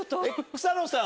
草野さんは？